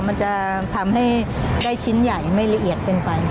มันจะทำให้ได้ชิ้นใหญ่ไม่ละเอียดเกินไป